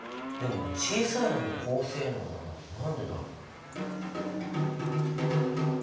でも小さいのに高性能なのは何でだろう。